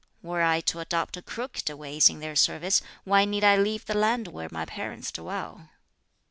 Were I to adopt crooked ways in their service, why need I leave the land where my parents dwell?"